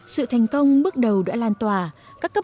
sự thành công bước đầu đã lan tỏa các cấp